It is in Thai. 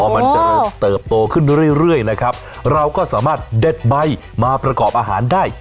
มันจะเติบโตขึ้นเรื่อยนะครับเราก็สามารถเด็ดใบมาประกอบอาหารได้